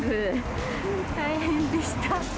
大変でした。